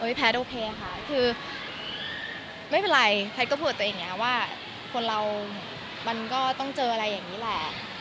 แพทย์โอเคค่ะคือไม่เป็นไรแพทย์ก็พูดตัวเองอย่างนี้ว่าคนเรามันก็ต้องเจออะไรอย่างนี้แหละ